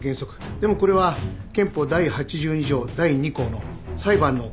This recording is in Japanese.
でもこれは憲法第８２条第２項の裁判の公開停止ですね。